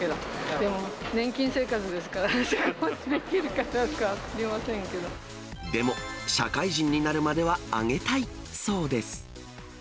でも、年金生活ですから、でも、社会人になるまではあげたいそうです。